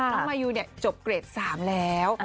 น้องมายูเนี่ยจบเกรด๓แล้ว